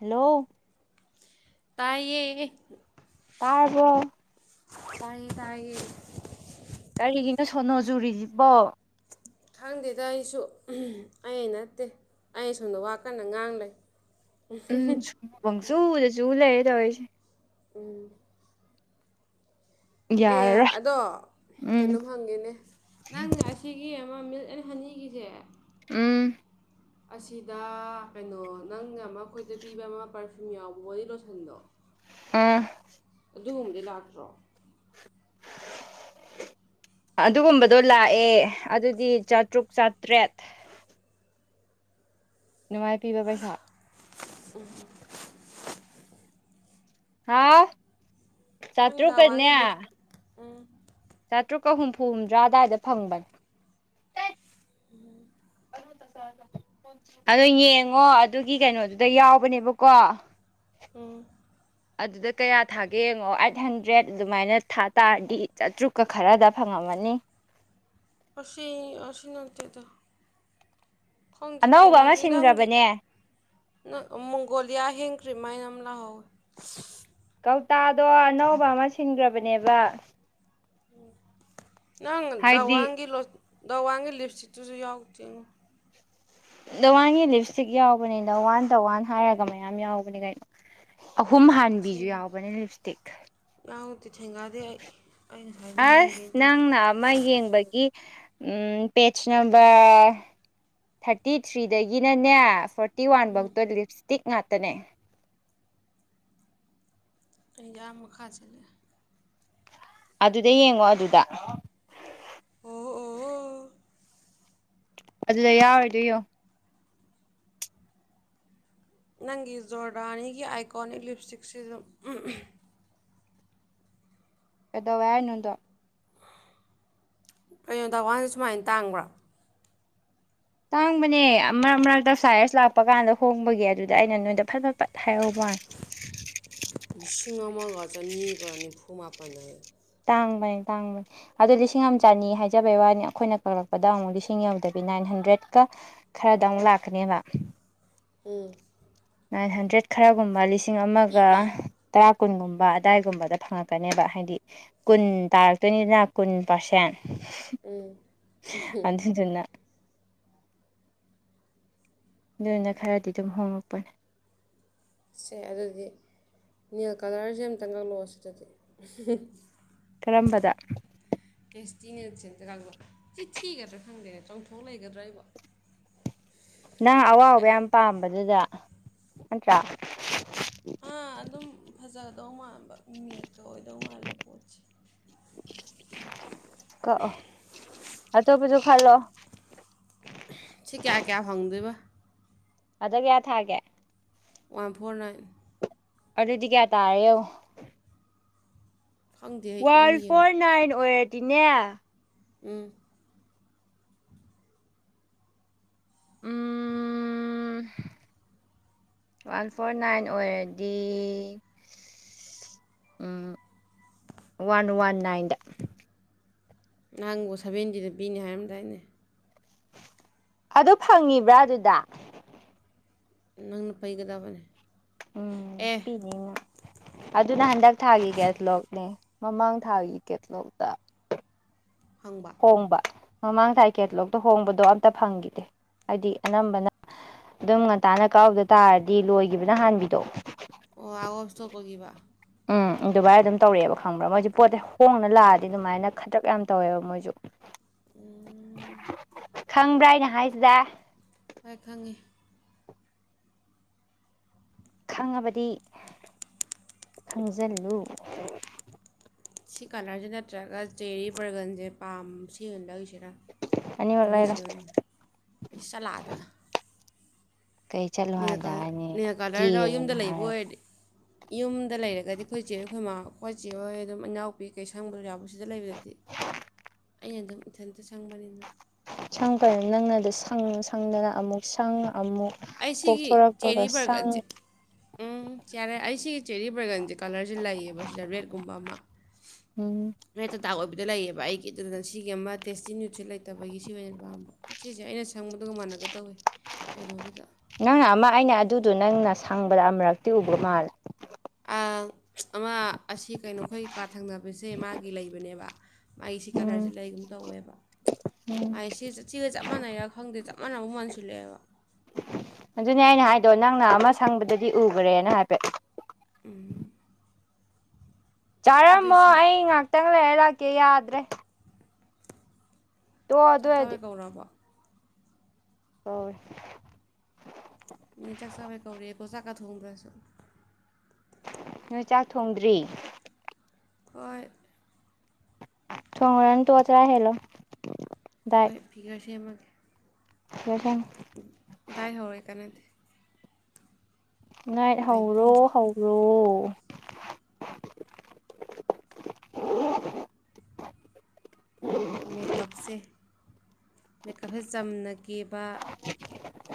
hello ꯇꯥꯏꯌꯦ ꯇꯥꯔꯕ꯭ꯔꯣ ꯇꯥꯏꯌꯦ ꯇꯥꯏꯌꯦ ꯀꯔꯤꯒꯤꯅꯣ ꯁꯣꯅꯣ ꯖꯨꯔꯤꯁꯤꯕꯣ ꯈꯪꯗꯦꯗ ꯑꯩꯁꯨ ꯑꯩꯅ ꯅꯠꯇꯦ ꯑꯩ ꯑꯁꯣꯝꯗ ꯋꯥ ꯀꯟꯅ ꯉꯥꯡꯂꯩ ꯎꯝ ꯁꯨꯕꯪ ꯁꯨꯗꯁꯨ ꯂꯩꯔꯦ ꯇꯧꯔꯤꯁꯦ ꯎꯝ ꯑꯦ ꯌꯥꯔꯔꯣꯏ ꯑꯗꯣ ꯎꯝ ꯀꯩꯅꯣꯝ ꯍꯪꯒꯦꯅꯦ ꯅꯪ ꯑꯁ ꯁꯤꯒꯤ ꯑꯃ ꯃꯤꯜꯛ ꯑꯦꯟ ꯍꯅꯤꯒꯤꯁꯦ ꯎꯝ ꯑꯁꯤꯗ ꯀꯩꯅꯣ ꯅꯪꯅ ꯑꯃ ꯑꯩꯈꯣꯏꯗ ꯄꯤꯕ ꯑꯃ ꯄꯔꯐ꯭ꯌꯨꯝ ꯌꯥꯎꯕ ꯕꯣꯗꯤ ꯂꯣꯁꯟꯗꯣ ꯎꯝ ꯑꯗꯨꯝꯗꯤ ꯂꯥꯛꯇ꯭ꯔꯣ [unintelligible] ꯑꯗꯨꯒꯨꯝꯕꯗꯣ ꯂꯥꯛꯑꯦ ꯑꯗꯨꯗꯤ ꯆꯥꯇ꯭ꯔꯨꯛ ꯆꯥꯇ꯭ꯔꯦꯠ ꯅꯨꯡꯉꯥꯏ ꯄꯤꯕ ꯄꯩꯁꯥ [unintelligible] ꯍꯥꯥꯎ ꯅꯪ ꯆꯥꯇ꯭ꯔꯨꯛ ꯀꯥꯅꯦ ꯊꯋꯥꯟꯒꯤ ꯂꯤꯞ ꯎꯝ ꯆꯥꯇ꯭ꯔꯨꯛꯀ ꯍꯨꯝꯐꯨ ꯍꯨꯝꯗꯔꯥ ꯑꯗꯥꯏꯗ ꯐꯪꯕꯅꯦ ꯎꯝ ꯑꯗꯨ ꯌꯦꯡꯉꯣ ꯑꯗꯨꯒꯤ ꯀꯩꯅꯣꯗꯨꯗ ꯌꯥꯎꯕꯅꯦꯕꯀꯣ ꯎꯝ ꯑꯗꯨꯗ ꯀꯌꯥ ꯊꯥꯒꯦ ꯌꯦꯡꯉꯣ ꯑꯩꯠ ꯍꯟꯗ꯭ꯔꯦꯠ ꯑꯗꯨꯃꯥꯏꯅ ꯊꯥ ꯇꯥꯔꯗꯤ ꯆꯥꯇ꯭ꯔꯨꯛꯀ ꯈꯔꯗ ꯐꯪꯉꯝꯃꯅꯤ ꯑꯁꯤ ꯑꯁꯤ ꯅꯠꯇꯦꯗ ꯈꯪꯗꯦ ꯑꯅꯧꯕ ꯑꯃ ꯊꯦꯡꯅꯗꯦ ꯅꯪꯒꯤ ꯁꯤꯟꯈ꯭ꯔꯕꯅꯦ ꯃꯣꯡꯒꯣꯂꯤꯌꯥ ꯍꯦꯡ ꯀ꯭ꯔꯤꯝ ꯍꯥꯏꯅ ꯑꯃ ꯂꯥꯛꯍꯧꯋꯦ ꯀꯧꯇꯥꯗꯣ ꯑꯅꯧꯕ ꯑꯃ ꯁꯤꯟꯈ꯭ꯔꯕꯅꯦꯕ ꯅꯪ ꯍꯥꯏꯗꯤ ꯗꯋꯥꯡꯒꯤ ꯂꯣ ꯗꯋꯥꯡꯒꯤ ꯂꯤꯞꯁꯇꯤꯛꯇꯨꯁꯨ ꯌꯥꯎꯗꯦꯉꯣ ꯗꯋꯥꯟꯒꯤ ꯂꯤꯞꯁꯇꯤꯛ ꯌꯥꯎꯕꯅꯤ ꯗꯋꯥꯟ ꯗ ꯋꯥꯟ ꯍꯥꯏꯔꯒ ꯃꯌꯥꯝ ꯌꯥꯎꯕꯅꯦ ꯀꯩꯅꯣ ꯑꯍꯨꯝ ꯍꯥꯟꯕꯤꯁꯨ ꯁꯤꯟꯅꯗꯦ ꯌꯥꯎꯕꯅꯦ ꯂꯤꯞꯁꯇꯤꯛ ꯌꯥꯎꯗꯦ ꯊꯦꯡꯒꯗꯦ ꯑꯩ ꯑꯩꯅ ꯉꯁꯥꯏꯗꯩ ꯌꯦꯡꯒꯦ ꯑꯁ ꯅꯪꯅ ꯑꯃ ꯌꯦꯡꯕꯒꯤ ꯎꯝ ꯄꯦꯖ ꯅꯝꯕꯔ ꯊꯥꯔꯇꯤ ꯊ꯭ꯔꯤꯗꯒꯤꯅꯅꯦ ꯐꯣꯔꯇꯤ ꯋꯥꯟ ꯕꯧꯇꯣ ꯂꯤꯞꯁꯇꯤꯛ ꯉꯥꯛꯇꯅꯦ ꯑꯩꯗꯤ ꯑ ꯃꯈꯥ ꯆꯠꯂꯦ ꯑꯗꯨꯗ ꯌꯦꯡꯉꯣ ꯑꯗꯨꯗ ꯑꯣ ꯑꯣ ꯑꯗꯨꯗ ꯌꯥꯎꯔꯤꯗꯣ ꯌꯦꯡꯉꯣ ꯅꯪꯒꯤ ꯖꯣꯔꯗꯥꯅꯤꯒꯤ ꯑꯥꯏꯀꯣꯅꯤꯛ ꯂꯤꯞꯁꯇꯤꯛꯁꯤꯖꯨ ꯀꯩꯗꯧꯋꯦ ꯍꯥꯏꯅꯣꯗꯣ ꯀꯩꯅꯣꯗ ꯗ ꯋꯥꯟꯁꯦ ꯁꯨꯃꯥꯏꯅ ꯇꯥꯡꯕ꯭ꯔꯣ ꯇꯥꯡꯕꯅꯦ ꯃꯔꯛ ꯃꯔꯛꯇ ꯁꯥꯏꯁ ꯂꯥꯛꯄ ꯀꯥꯟꯗ ꯍꯣꯡꯕꯒꯤ ꯑꯗꯨꯗ ꯑꯩꯅ ꯅꯣꯏꯗ ꯐꯠ ꯐꯠ ꯍꯥꯏꯍꯧꯕ ꯋꯥꯅꯦ ꯂꯤꯁꯤꯡ ꯑꯃꯒ ꯆꯅꯤꯒ ꯅꯤꯐꯨ ꯃꯥꯄꯟ ꯍꯥꯌꯦ ꯇꯥꯡꯕꯅꯦ ꯇꯥꯡꯕꯅꯤ ꯑꯗꯣ ꯂꯤꯁꯤꯡ ꯑꯃ ꯆꯅꯤ ꯍꯥꯏꯖꯕꯩ ꯋꯥꯅꯤ ꯑꯩꯈꯣꯏꯅ ꯀꯛꯂꯛꯄꯗ ꯑꯃꯨꯛ ꯂꯤꯁꯤꯡ ꯌꯧꯗꯕꯤ ꯅꯥꯏꯟ ꯍꯟꯗ꯭ꯔꯦꯗꯀ ꯈꯔꯗ ꯑꯃꯨꯛ ꯂꯥꯛꯀꯅꯦꯕ ꯎꯝ ꯅꯥꯏꯟ ꯍꯟꯗ꯭ꯔꯦꯠ ꯈꯔꯒꯨꯝꯕ ꯂꯤꯁꯤꯡ ꯑꯃꯒ ꯇꯔꯥ ꯀꯨꯟꯒꯨꯝꯕ ꯑꯗꯥꯏꯒꯨꯝꯕꯗ ꯐꯪꯉꯛꯀꯅꯦꯕ ꯍꯥꯏꯗꯤ ꯀꯨꯟ ꯇꯥꯔꯛꯇꯣꯏꯅꯤꯗꯅ ꯀꯨꯟ ꯄꯥꯔꯁꯦꯟ ꯑꯗꯨꯗꯨꯅ ꯑꯗꯨꯅ ꯈꯔꯗꯤ ꯑꯗꯨꯝ ꯍꯣꯉꯛꯄꯅꯦ ꯁꯦ ꯑꯗꯨꯗꯤ ꯅꯦꯜ ꯀꯂꯔꯁꯦ ꯑꯃꯝꯇꯪ ꯀꯛꯂꯛꯑꯣ ꯁꯤꯗꯗꯤ ꯀꯔꯝꯕꯗ ꯇꯦꯁꯇꯤ ꯅ꯭ꯌꯨꯠꯁꯦ ꯑꯝꯇ ꯀꯛꯂꯛꯑꯣ ꯁꯤ ꯊꯤꯒꯗ꯭ꯔꯥ ꯈꯪꯗꯦꯅꯦ ꯆꯪꯊꯣꯛ ꯂꯩꯒꯗ꯭ꯔꯥ ꯑꯩꯕꯣ ꯅꯪ ꯑꯋꯥꯎꯕ ꯌꯥꯝ ꯄꯥꯝꯕꯗꯨꯗ ꯅꯠꯇ꯭ꯔꯥ ꯑꯥ ꯑꯗꯨꯝ ꯐꯖꯗꯧ ꯃꯥꯟꯕ ꯅ꯭ꯌꯨꯠꯀ ꯑꯣꯏꯗꯧ ꯃꯥꯜꯂꯦ ꯄꯣꯡꯁꯦ ꯀꯛꯑꯣ ꯑꯇ‌ꯧꯞꯄꯖꯨ ꯈꯜꯂꯣ ꯁꯤ ꯀꯌꯥ ꯀꯌꯥ ꯐꯪꯗꯣꯏꯕ ꯑꯗ ꯀꯌꯥ ꯊꯥꯒ‌ꯦ ꯋꯥꯟ ꯐꯣꯔ ꯅꯥꯏꯟ ꯑꯗꯨꯗꯤ ꯀꯌꯥ ꯇꯥꯔꯦ ꯌ‌ꯦꯡꯉ‌ꯣ ꯈꯪꯗꯦ ꯑꯩ ꯋꯥꯟ ꯅꯪ ꯌꯦꯡꯉꯨ ꯐꯣꯔ ꯅꯥꯏꯟ ꯑꯣꯏꯔꯗꯤꯅꯦ ꯎꯝ ꯎꯝ..... ꯋꯥꯟ ꯐꯣꯔ ꯅꯥꯏꯟ ꯑꯣꯏꯔꯗꯤ ꯎꯝ ꯋꯥꯟ ꯋꯥꯟ ꯅꯥꯏꯟꯗ ꯅꯪꯕꯨ ꯁꯕꯦꯟꯇꯤꯗ ꯄꯤꯅꯤ ꯍꯥꯏꯔꯝꯗꯥꯏꯅꯦ ꯑꯗ‌ꯣ ꯐꯪꯉꯤꯕ꯭ꯔꯥ ꯑꯗꯨꯗ ꯅꯪꯅ ꯄꯩꯒꯗꯕꯅꯦ ꯎꯝ ꯑꯦ ꯄꯤꯅꯤ ꯅꯪ ꯑꯗꯨꯅ ꯍꯟꯗꯛ ꯊꯥꯒꯤ ꯀꯦꯊꯂꯣꯛꯅꯦ ꯃꯃꯥꯡ ꯊꯥꯒꯤ ꯀꯦꯊꯂꯣꯛꯇ ꯍꯪꯕ ꯍꯣꯡꯕ ꯃꯃꯥꯡ ꯊꯥꯒꯤ ꯀꯦꯇꯂꯣꯛꯇ ꯍꯣꯡꯕꯗꯣ ꯑꯝꯇ ꯐꯪꯈꯤꯗꯦ ꯍꯥꯏꯗꯤ ꯑꯅꯝꯕꯅ ꯑꯗꯨꯝ ꯉꯟꯇꯥꯅ ꯀꯛꯍꯧꯗ ꯇꯥꯔꯗꯤ ꯂꯣꯏꯈꯤꯕꯅ ꯍꯥꯟꯕꯤꯗꯣ ꯑꯣ ꯑꯥꯎꯠ ꯑꯣꯐ ꯁꯇ‌ꯣꯛ ꯑꯣꯏꯒꯤꯕ ꯎꯝ ꯑꯗꯨꯃꯥꯏꯅ ꯑꯗꯨꯝ ꯇꯧꯔꯛꯑꯦꯕ ꯈꯪꯕ꯭ꯔꯥ ꯃꯣꯏꯁꯦ ꯄꯣꯠꯁꯦ ꯍꯣꯡꯅ ꯂꯥꯛꯑꯗꯤ ꯑꯗꯨꯃꯥꯏꯅ ꯈꯗ꯭ꯔꯛ ꯌꯥꯝꯅ ꯇꯧꯋꯦꯕ ꯃꯣꯏ ꯈꯪꯕ꯭ꯔꯥ ꯑꯩꯅ ꯍꯥꯏꯖ‌ꯤꯗꯥ ꯍꯣꯏ ꯈꯪꯉꯤ ꯈꯪꯉꯕꯗꯤ ꯈꯪꯖꯜꯂꯨ ꯁꯤ ꯀꯥꯂꯔꯖ‌ꯦ ꯅꯠꯇ꯭ꯔꯒ ꯆꯦꯔꯤ ꯕꯔꯒꯟꯖꯦ ꯄꯥꯝ ꯁꯤꯕ ꯑꯣꯏꯅ ꯂꯧꯁꯤꯔ ꯑꯅꯤꯃꯛ ꯑꯅꯤꯁꯤ ꯂꯩꯔꯣ ꯃꯅꯨꯡ ꯏꯁ ꯆꯠꯂꯥ ꯑꯥꯗ ꯀꯩ ꯆꯠꯂꯣ ꯅ‌ꯦꯜꯀꯂꯔ ꯍꯥꯏꯗꯥꯏꯅꯦ ꯅ‌ꯦꯜꯀꯂꯔꯗ‌ꯣ ꯌꯨꯝꯗ ꯀꯦꯌꯣꯅ ꯂꯩꯕ ꯍꯥꯏꯔꯒ ꯑꯣꯏꯔꯗꯤ ꯌꯨꯝꯗ ꯂꯩꯔꯒꯗꯤ ꯑꯩꯈꯣꯏ ꯆꯦꯍ‌ꯣꯏ ꯑꯩꯈꯣꯏꯃ ꯑꯩꯈꯣꯏꯆꯦ ꯍꯣꯏ ꯑꯗꯨꯝ ꯏꯅꯥꯎꯄꯤ ꯀꯩ ꯁꯪꯕꯗꯧ ꯌꯥꯎꯕ ꯁꯤꯗ ꯂꯩꯕꯗꯗꯤ ꯑꯩꯅ ꯑꯗꯨꯝ ꯏꯊꯟꯇ ꯁꯪꯕꯅꯤꯅ ꯁꯪ ꯀꯔ ꯅꯪꯅꯗꯣ ꯁꯪ ꯁꯪꯗꯅ ꯑꯃꯨꯛ ꯁꯪ ꯑꯃꯨꯛ ꯑꯩ ꯁꯤꯒꯤ ꯀꯣꯛꯊꯣꯔꯛꯄꯒ ꯆꯦꯔꯤ ꯁꯪ ꯕꯔꯒꯟꯖ‌ꯦ ꯎꯝ ꯆꯤꯌꯥꯔꯦ ꯑꯩ ꯁꯤꯒꯤ ꯆꯦꯔꯤ ꯕꯔꯒꯟꯖ‌ꯦ ꯀꯂꯔꯖ‌ꯦ ꯂꯩꯌꯦꯕ ꯁꯤꯗ ꯔꯦꯗꯒꯨꯝꯕ ꯑꯃ ꯎꯝ ꯔꯦꯠꯗ ꯗꯥꯔꯛ ꯑꯣꯏꯕꯤꯗ ꯂꯩꯌꯦꯕ ꯑꯩꯒꯤ ꯑꯗꯨꯗꯅ ꯁꯤꯒꯤ ꯑꯃ ꯇꯦꯁꯇꯤ ꯅ꯭ꯌꯨꯠꯁꯤ ꯂꯩꯇꯕꯒꯤ ꯁꯤ ꯑꯣꯏꯅ ꯄꯥꯝꯕ ꯁꯤꯖ‌ꯦ ꯑꯩꯅ ꯁꯪꯕꯗꯨꯒ ꯃꯥꯟꯅꯒꯦ ꯇꯧꯋꯤ ꯀꯩꯅꯣꯒꯤꯗ ꯅꯪꯅ ꯑꯃ ꯑꯩꯅ ꯑꯗꯨꯗꯣ ꯅꯪꯅ ꯁꯪꯕꯗ ꯑꯃꯔꯛꯇꯤ ꯎꯒ꯭ꯔꯥ ꯃꯥꯜꯂꯦ ꯑ ꯑꯃ ꯑꯁꯤ ꯀꯩꯅꯣꯈꯣꯏ ꯀꯥ ꯊꯪꯅꯕꯁꯦ ꯃꯥꯒꯤ ꯂꯩꯕꯅꯦꯕ ꯃꯥꯒꯤ ꯁꯤ ꯎꯝ ꯀꯂꯔꯖꯤ ꯂꯩꯒꯨꯝ ꯇꯧꯋꯦꯕ ꯎꯝ ꯃꯥꯏꯁꯤ ꯁꯤ ꯁꯤꯒ ꯆꯞ ꯃꯥꯟꯅꯩꯔ ꯈꯪꯗꯦ ꯆꯞ ꯃꯥꯟꯅꯕ ꯃꯟꯁꯤꯜꯂꯛꯑꯦꯕ ꯑꯗꯨꯅꯦ ꯑꯩꯅ ꯍꯥꯏꯗꯣ ꯅꯪꯅ ꯑꯃ ꯁꯪꯕꯗꯗꯤ ꯎꯈ꯭ꯔꯦꯅ ꯍꯥꯏꯐꯦꯠ ꯎꯝ ꯆꯥꯠ [unintelligible] ꯑꯣ ꯑꯩ ꯉꯍꯥꯛꯇꯪ ꯂꯩꯔ ꯂꯥꯛꯀꯦ ꯌꯥꯗ꯭ꯔꯦ ꯇꯣ ꯑꯗꯨ ꯆꯥꯛ ꯑꯣꯏꯔꯗꯤ ꯆꯥꯕꯩ ꯀꯧꯔꯕꯣ ꯍꯣꯏ ꯃꯤ ꯆꯥꯛ ꯆꯥꯕꯩ ꯀꯧꯔꯛꯑꯦꯀꯣ ꯆꯥꯛꯀ ꯊꯣꯡꯗ꯭ꯔꯥꯁꯨ ꯅꯣꯏ ꯆꯥꯛ ꯊꯣꯡꯗ꯭ꯔꯤ ꯍꯣꯏ ꯊꯣꯡꯉꯨꯔꯅꯨ ꯇꯣꯛꯑꯣ ꯆꯔꯥ ꯍꯦꯜꯂꯣ ꯗꯥꯏꯠ ꯍꯣꯏ ꯐꯤꯒꯔ ꯁꯦꯝꯃꯒꯦ [unintelligible] ꯗꯥꯥꯏ ꯍꯧꯔꯦ ꯀꯥꯅꯗꯦ ꯉꯥꯏꯠ ꯍꯧꯔꯣ ꯗꯥꯏꯇꯤꯡ ꯍꯧꯔꯣ ꯃꯦꯀꯞꯁꯦ ꯃꯦꯀꯞꯁꯦ ꯆꯝꯅ ꯀꯦꯕ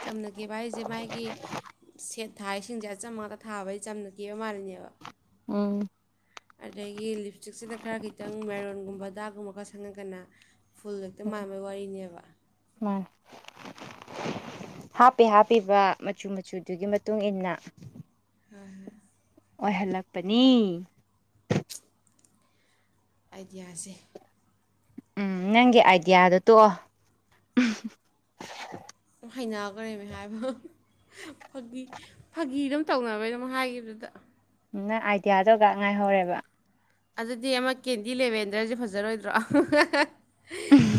ꯆꯝꯅꯕ ꯀꯦꯕ ꯍꯥꯏꯁꯦ ꯃꯥꯒꯤ ꯁꯦꯠ ꯊꯥꯏꯁꯤꯡꯁꯦ ꯑꯆꯝꯕ ꯉꯝꯇ ꯊꯥꯕꯩ ꯆꯝꯅ ꯀꯦꯕ ꯃꯥꯜꯂꯤꯅꯦꯕ ꯎꯝ ꯑꯗꯒꯤ ꯂꯤꯞꯁꯇꯤꯛꯁꯤꯗ ꯈꯔ ꯈꯤꯇꯪ ꯃꯦꯔꯣꯟꯒꯨꯝꯕ ꯗꯥꯛꯒꯨꯝꯕ ꯈꯔ ꯁꯪꯉꯒꯅ ꯐꯨꯜ ꯍ‌ꯦꯛꯇ ꯃꯥꯟꯕꯩ ꯋꯥꯔꯤꯅꯦꯕ ꯃꯥ ꯍꯥꯞꯄꯤ ꯍꯥꯞꯄꯤꯕ ꯃꯆꯨ ꯃꯆꯨꯗꯨꯒꯤ ꯃꯇꯨꯡꯏꯟꯅ ꯍꯣꯏ ꯑꯣꯏꯍꯜꯂꯛꯄꯅꯤ ꯑꯥꯏꯗꯤꯌꯥꯁꯦ ꯎꯝ ꯅꯪꯒꯤ ꯑꯥꯏꯗꯤꯌꯥꯗꯣ ꯇꯣꯛꯑꯣ ꯎꯝ ꯑꯗꯨꯨꯝ ꯍꯩꯅꯈꯔꯦꯃꯦ ꯍꯥꯏꯕ ꯐꯥꯒꯤ ꯐꯥꯒꯤ ꯑꯗꯨꯝ ꯇꯧꯅꯕꯩꯩꯗ‌ꯧ ꯍꯥꯏꯈꯤꯕꯗ ꯅꯪ ꯑꯥꯏꯗꯤꯌꯥꯗꯣꯒ ꯉꯥꯏꯍꯧꯔꯦꯕ ꯑꯗꯨꯗꯤ ꯑꯃ ꯀꯦꯟꯗꯤ ꯂꯦꯚꯦꯟꯗ꯭ꯔꯁꯨ ꯐꯖꯔꯣꯏꯗ꯭ꯔꯣ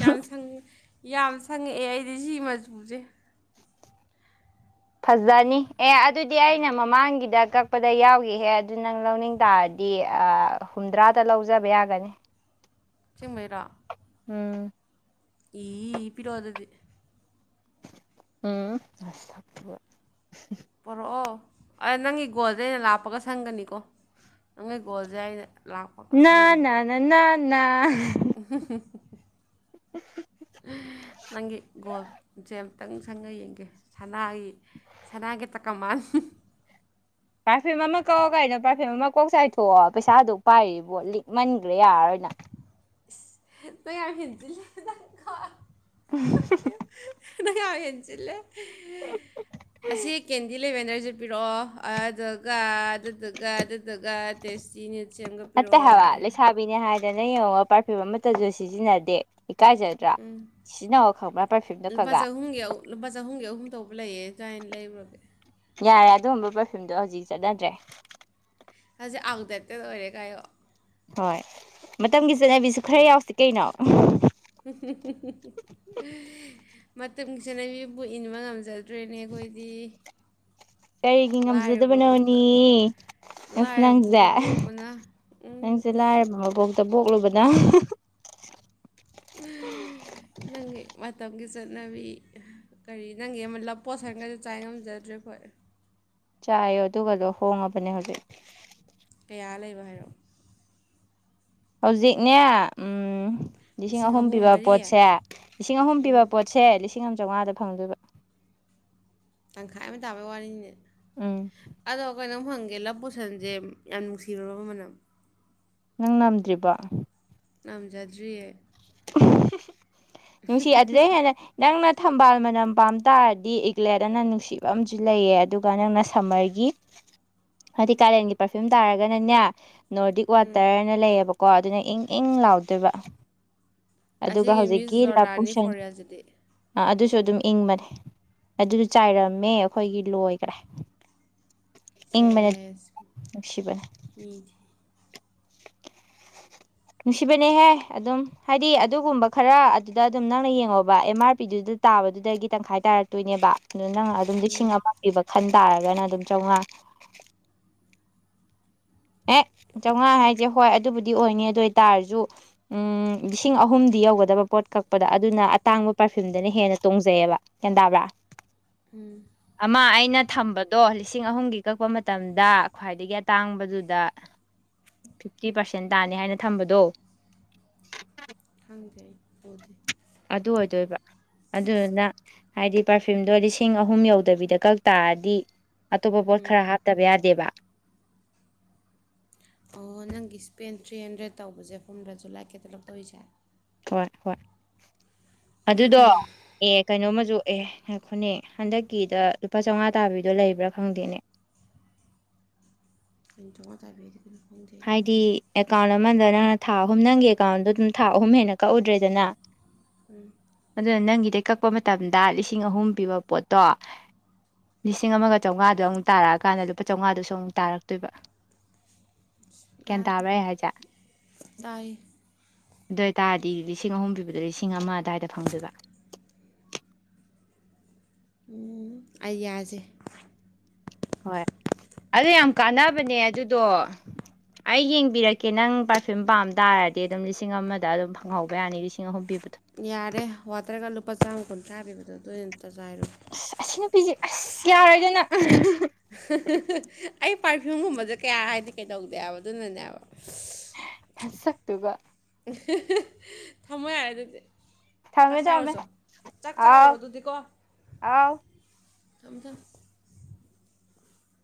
ꯌꯥꯝ ꯁꯪ ꯌꯥꯝ ꯁꯪꯉꯛꯑꯦ ꯑꯩꯗꯤ ꯁꯤ ꯃꯆꯨꯁꯦ ꯐꯖꯅꯤ ꯑꯦ ꯑꯗꯨꯗꯤ ꯑꯩꯅ ꯃꯃꯥꯡꯒꯤꯗ ꯀꯛ ꯄꯗ ꯌꯥꯎꯈꯤꯍꯦ ꯑꯗꯨ ꯅꯪ ꯂꯧꯅꯤꯡ ꯇꯥꯔꯗꯤ ꯑ ꯍꯨꯝꯗ꯭ꯔꯥꯗ ꯂꯧꯖꯕ ꯌꯥꯒꯅꯤ ꯑꯁ‌ꯦꯡꯕꯩꯔ‌ꯣ ꯎꯝ ꯏ ꯄꯤꯔꯛꯑ‌ꯣ ꯑꯗꯨꯗꯤ ꯎꯝ ꯄꯣꯔꯛꯑꯣ ꯑ ꯅꯪꯒꯤ ꯒꯣꯜꯁꯦ ꯑꯩꯅ ꯂꯥꯛꯄꯒ ꯁꯪꯒꯅꯤꯀꯣ ꯅꯪꯒꯤ ꯒꯣꯜꯁꯦ ꯑꯩꯅ ꯂꯥꯛꯄꯒ ꯅ ꯁꯪꯒꯅꯤ ꯅꯥ ꯅꯥ ꯅꯥ [unintelligible] [unintelligible] ꯅꯪꯒꯤ ꯒꯣꯜꯁꯦ ꯑꯝꯇꯪ ꯁꯪꯉ ꯌꯦꯡꯒꯦ ꯁꯅꯥꯒꯤ ꯁꯅꯥꯒꯤ ꯇꯥꯀꯃꯥꯜ ꯄꯥꯔꯐ꯭ꯌꯨꯝ ꯑꯃ ꯀꯛꯑꯣ ꯀꯩꯅꯣ ꯄꯥꯔꯐꯤꯌꯨꯝ ꯑꯃ ꯀꯣꯛ ꯆꯥꯏꯊꯣꯛꯑꯣ ꯄꯩꯁꯥ ꯑꯗꯨꯛ ꯄꯥꯏꯔꯤꯕꯣ ꯂꯤꯛꯃꯟꯈ꯭ꯔꯦ ꯌꯥꯔꯔꯣꯏ ꯅꯪ ꯏꯁ ꯅꯪ ꯌꯥꯝ ꯍꯦꯟꯖꯤꯜꯂꯦ ꯅꯪꯀꯣ [unintelligible] ꯌꯥ ꯌꯥꯝ ꯍ‌ꯦꯟꯖꯤꯜꯂ‌ꯦ ꯑꯁꯤ ꯀꯦꯟꯗꯤ ꯂꯩꯕꯦꯟꯗ꯭ꯔꯁ‌ꯦ ꯄꯤꯔꯛꯑꯣ ꯑꯗꯨꯒ ꯑꯗꯨꯗꯨꯒ ꯑꯗꯨꯗꯨꯒ ꯗꯁꯤꯅꯤ ꯅꯠꯇꯦ ꯍꯥꯏꯕ ꯂꯩꯁꯥꯕꯤꯅꯦ ꯍꯥꯏꯗꯅ ꯌꯦꯡꯉ‌ꯣ ꯄꯥꯔꯐ꯭ꯌꯨꯝ ꯑꯃꯠꯇꯁꯨ ꯁꯤꯖꯤꯟꯅꯗꯦ ꯏꯀꯥꯏꯖꯔ‌ꯦ ꯅꯠꯇ꯭ꯔꯥ ꯁꯤꯖꯤꯟꯅꯧ ꯈꯪꯕ꯭ꯔꯥ ꯄꯔꯐ꯭ꯌꯨꯝꯗꯣ ꯂꯨꯄꯥ ꯈꯔ ꯈꯔ ꯆꯍꯨꯝꯒꯤ ꯂꯨꯄꯥ ꯆꯍꯨꯝꯒꯤ ꯑꯍꯨꯝ ꯇꯧꯕ ꯂꯩꯌꯦ ꯑꯗꯥꯏꯅ ꯂꯩꯔꯨꯔꯒꯦ ꯌꯥꯔꯦ ꯑꯗꯨꯒꯨꯝꯕ ꯄꯔꯐ꯭ꯌꯨꯝꯗꯣ ꯍꯧꯖꯤꯛ ꯆꯠꯅꯗ꯭ꯔꯦ ꯍꯧꯖꯤꯛ ꯑꯥꯎꯠ ꯗ‌ꯦꯇꯦꯠ ꯑꯣꯏꯔꯦ ꯀꯥꯏꯌ‌ꯣ ꯍꯣꯏ ꯃꯇꯝꯒꯤ ꯆꯠꯅꯕꯤꯁꯨ ꯈꯔ ꯌꯥꯎꯁꯤ ꯀꯩꯅꯣ ꯃꯇꯝꯒꯤ ꯆꯠꯅꯕꯤꯕꯨ ꯏꯟꯕ ꯉꯝꯖ ꯗ꯭ꯔ‌ꯦꯅ‌ꯦ ꯑꯩꯈ‌ꯣꯏꯗꯤ ꯀꯔꯤꯒꯤ ꯃꯄꯣꯛꯇ ꯉꯝꯖꯗꯕꯅꯣꯅ‌ꯦ ꯑꯁ ꯂꯥꯏꯔꯕ ꯅꯪꯁꯦ ꯃꯄꯣꯛꯇ ꯄꯣꯛꯎꯕꯅ ꯅꯪꯁꯦ ꯂꯥꯏꯔꯕ ꯃꯄ‌ꯣꯛꯇ ꯄꯣꯛꯂꯨꯕꯅ [unintelligible] ꯅꯪꯒꯤ ꯃꯇꯝꯒꯤ ꯆꯠꯅꯕꯤ ꯀꯔꯤ ꯅꯪꯒꯤ ꯑꯃ ꯂꯞ ꯄꯣꯁꯟꯒꯗ‌ꯣ ꯆꯥꯏꯕ ꯉꯝꯖꯗ꯭ꯔꯦ ꯑꯈ‌ꯣꯏ ꯆꯥꯏꯌꯣ ꯑꯗꯨꯒꯗꯣ ꯍꯣꯡꯉꯕꯅꯦ ꯍꯧꯖꯤꯛ ꯀꯌꯥ ꯂꯩꯕ ꯍꯥꯏꯔꯛꯑꯣ ꯍꯧꯖꯤꯛꯅꯦ ꯎ ꯂꯤꯁꯤꯡ ꯑꯍꯨꯝ ꯄꯤꯕ ꯄꯣꯠꯁꯦ ꯂꯤꯁꯤꯡ ꯑꯍꯨꯝ ꯄꯤꯕ ꯄꯣꯠ ꯁꯦ ꯂꯤꯁꯤꯡ ꯑꯃ ꯆꯥꯝꯉꯥꯗ ꯐꯪꯗꯣꯏꯕ ꯇꯪꯈꯥꯏ ꯑꯃ ꯇꯥꯕꯩ ꯋꯥꯔꯤꯅꯤꯅꯦ ꯎꯝ ꯑꯗꯣ ꯀꯩꯅꯣꯝ ꯍꯪꯒꯦ ꯂꯞ ꯄꯣꯠꯁꯟꯁꯦ ꯌꯥꯝ ꯅꯨꯡꯁꯤꯔꯨꯔꯕ ꯃꯅꯝ ꯅꯪ ꯉꯝꯗ꯭ꯔꯤꯕꯣ ꯉꯝꯖꯗ꯭ꯔꯤꯌꯦ ꯅꯨꯡꯁꯤ ꯑꯗꯨꯗꯩ ꯍꯦꯟꯅ ꯅꯪꯅ ꯊꯝꯕꯥꯜ ꯃꯅꯝ ꯄꯥꯝ ꯇꯥꯔꯗꯤ ꯏ꯭ꯒꯂꯦꯠ ꯑꯅ ꯅꯨꯡꯁꯤꯕ ꯑꯝꯁꯨ ꯂꯩꯌꯦ ꯑꯗꯨꯒ ꯅꯪꯅ ꯁꯝꯃꯔꯒꯤ ꯍꯥꯏꯗꯤ ꯀꯥꯂꯦꯟꯒꯤ ꯄꯔꯐ꯭ꯌꯨꯝ ꯇꯥꯔꯒꯅꯅꯦ ꯅꯣꯔꯗꯤꯛ ꯋꯥꯇꯔꯅ ꯂꯩꯌꯦꯕꯀꯣ ꯑꯗꯨꯅ ꯏꯪ ꯏꯪ ꯂꯥꯎꯗꯣꯏꯕ ꯑꯗꯨꯒ ꯑꯁꯤꯒꯤ ꯃꯤꯁ ꯍꯧꯖꯤꯛꯀꯤ ꯖꯣꯔꯗꯥꯅꯤ ꯂꯥꯄꯨꯁꯟ ꯐꯣꯔꯦꯜꯁꯤꯗꯤ ꯑꯗꯨꯁꯨ ꯑꯗꯨꯝ ꯏꯪꯕꯅꯤ ꯑꯗꯨꯁꯨ ꯆꯥꯏꯔꯝꯃꯦ ꯑꯩꯈꯣꯏꯒꯤ ꯂꯣꯏꯈ꯭ꯔꯦ ꯏꯪꯕꯅꯦ ꯅꯨꯡꯁꯤꯕꯅꯦ ꯃꯤ ꯅꯨꯡꯁꯤꯕꯅꯦꯍꯦ ꯑꯗꯨꯝ ꯍꯥꯏꯗꯤ ꯑꯗꯨꯒꯨꯝꯕ ꯈꯔ ꯑꯗꯨꯗ ꯑꯗꯨꯝ ꯅꯪꯅ ꯌꯦꯡꯉꯣꯕ ꯑꯦꯝ ꯑꯥꯔ ꯄꯤꯗꯨꯗ ꯇꯥꯕꯗꯨꯗꯒꯤ ꯇꯪꯈꯥꯏ ꯇꯥꯔꯛꯇꯣꯏꯅꯦꯕ ꯑꯗꯨ ꯅꯪ ꯑꯗꯨꯝ ꯎꯝ ꯂꯤꯁꯤꯡ ꯑꯃ ꯄꯤꯕ ꯈꯟ ꯇꯥꯔꯒꯅ ꯑꯗꯨꯝ ꯆꯥꯝꯉꯥ ꯑꯦ ꯆꯥꯝꯉꯥ ꯍꯥꯏꯁꯦ ꯍꯣꯏ ꯑꯗꯨꯕꯨꯗꯤ ꯑꯣꯏꯅꯤ ꯑꯗꯨ ꯑꯣꯏꯇꯥꯔꯁꯨ ꯎꯝ ꯂꯤꯁꯤꯡ ꯑꯍꯨꯝꯗꯤ ꯌꯧꯒꯗꯕ ꯄꯣꯠ ꯀꯛꯄꯗ ꯑꯗꯨꯅ ꯑꯇꯥꯡꯕ ꯄꯔꯐ꯭ꯌꯨꯝꯗꯅ ꯍꯦꯟꯅ ꯇꯣꯡꯖꯩꯑꯕ ꯒꯦꯟ ꯇꯥꯕ꯭ꯔꯥ ꯎꯝ ꯑꯃ ꯑꯩꯅ ꯊꯝꯕꯗꯣ ꯂꯤꯁꯤꯡ ꯑꯍꯨꯝꯒꯤ ꯀꯛꯄ ꯃꯇꯝꯗ ꯈ꯭ꯋꯥꯏꯗꯒꯤ ꯑꯇꯥꯡꯕꯗꯨꯗꯤ ꯗ ꯐꯤꯐꯇꯤ ꯄꯥꯔꯁꯦꯟ ꯇꯥꯅꯤ ꯍꯥꯏꯅ ꯊꯝꯕꯗꯣ ꯈꯪꯗꯦ ꯑꯩ ꯎꯗꯦ ꯑꯗꯨ ꯑꯣꯏꯗꯣꯏꯕ ꯑꯗꯨꯗꯨꯅ ꯍꯥꯏꯗꯤ ꯄꯔꯐ꯭ꯌꯨꯝꯗꯣ ꯂꯤꯁꯤꯡ ꯑꯍꯨꯝ ꯌꯧꯗꯕꯤꯗ ꯀꯛ ꯇꯥꯔꯗꯤ ꯑꯇꯣꯞꯄ ꯄꯣꯠ ꯈꯔ ꯍꯥꯞꯇꯕ ꯌꯥꯗꯦꯕ ꯑꯣ ꯅꯪꯒꯤ ꯏꯁ꯭ꯄꯦꯟ ꯊ꯭ꯔꯤ ꯍꯟꯗ꯭ꯔꯦꯗ ꯇꯧꯕꯁꯦ ꯐꯝꯗꯁꯨ ꯂꯥꯏꯀꯦꯇ ꯂꯛꯇꯧꯔꯤꯁꯦ ꯍꯣꯏ ꯍꯣꯏ ꯑꯗꯨꯗꯣ ꯑꯦ ꯀꯩꯅꯣꯃꯁꯨ ꯑꯦ ꯉꯥꯏꯈꯣꯅꯦ ꯍꯟꯗꯛꯀꯤꯗ ꯂꯨꯄꯥ ꯆꯥꯝꯉꯥ ꯇꯥꯕꯤꯗꯣ ꯂꯩꯕ꯭ꯔꯥ ꯈꯪꯗꯦꯅꯦ [unintelligible] ꯍꯥꯏꯗꯤ ꯑꯦꯀꯥꯎꯟ ꯑꯃꯗꯔ ꯊꯥ ꯑꯍꯨꯝ ꯅꯪꯒꯤ ꯑꯦꯀꯥꯎꯟꯗꯣ ꯑꯗꯨꯝ ꯊꯥ ꯑꯍꯨꯝ ꯍꯦꯟꯅ ꯀꯛꯎꯗ꯭ꯔꯦꯗꯅ ꯑꯗꯨꯅ ꯅꯪꯒꯤꯗꯩ ꯀꯛꯄ ꯃꯇꯝꯗ ꯂꯤꯁꯤꯡ ꯑꯍꯨꯝ ꯄꯤꯕ ꯄꯣꯠꯇꯣ ꯂꯤꯁꯤꯡ ꯑꯃꯒ ꯆꯧꯉꯥꯗꯣ ꯑꯃꯨꯛ ꯇꯥꯔꯛꯑꯀꯥꯟꯗ ꯂꯨꯄꯥ ꯆꯥꯝꯉꯥꯗꯨꯁꯨ ꯑꯃꯨꯛ ꯇꯥꯔꯛꯇꯣꯏꯕ ꯒ꯭ꯌꯥꯟ ꯌꯥꯔꯦ ꯇꯥꯕ꯭ꯔꯥ ꯑꯩ ꯍꯥꯏꯁꯦ ꯇꯥꯏ ꯑꯗꯨꯏꯇꯥꯔꯗꯤ ꯂꯤꯁꯤꯡ ꯑꯍꯨꯝ ꯄꯤꯕꯗꯣ ꯂꯤꯁꯤꯡ ꯑꯃ ꯑꯗꯥꯏꯗ ꯐꯪꯗꯣꯏꯕ ꯎꯝ ꯑꯩ ꯌꯥꯁꯦ ꯍꯣꯏ ꯑꯗꯨ ꯌꯥꯝ ꯀꯥꯟꯅꯕꯅꯦ ꯑꯗꯨꯗꯣ ꯑꯩ ꯌꯦꯡꯕꯤꯔꯛꯀꯦ ꯅꯪ ꯄꯔꯐ꯭ꯌꯨꯝ ꯄꯥꯝ ꯇꯥꯔꯗꯤ ꯑꯗꯨꯝ ꯂꯤꯁꯤꯡ ꯑꯃꯗ ꯑꯗꯨꯝ ꯐꯪꯍꯧꯕ ꯌꯥꯅꯤ ꯂꯤꯁꯤꯡ ꯑꯍꯨꯝ ꯄꯤꯕꯗꯣ ꯌꯥꯔꯦ ꯋꯥꯇꯔꯒ ꯂꯨꯄꯥ ꯆꯥꯝꯃ ꯀꯨꯟꯊ꯭ꯔꯥ ꯄꯤꯕꯗꯣ ꯑꯗꯨ ꯑꯝꯇ ꯆꯥꯏꯔꯣ ꯑ ꯑꯁꯤ ꯅꯨꯄꯤꯁꯦ ꯑꯁ ꯌꯥꯔꯣꯏꯗꯅ ꯑꯩ ꯄꯔꯐ꯭ꯌꯨꯝꯒꯨꯝꯕꯁꯦ ꯀꯌꯥ ꯍꯥꯏꯗꯤ ꯀꯩꯗꯧꯗꯦꯕ ꯑꯗꯨꯅꯅꯦ ꯍꯥꯏꯕ ꯁꯛꯇꯨꯒ ꯊꯝꯃꯣ ꯌꯥꯔꯦ ꯑꯗꯨꯗꯤ ꯆꯥꯛ ꯊꯝꯃꯦ ꯊꯝꯃꯦ ꯆꯥꯔꯨꯆꯣ ꯆꯥꯛ ꯆꯥꯔꯨꯔꯣ ꯑꯥꯎ ꯑꯗꯨꯗꯤꯀꯣ ꯑꯥꯎ ꯊꯝꯃꯦ ꯊꯝꯃꯦ